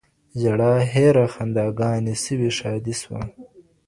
ژړا هېره خنداګاني سوی ښادي سوه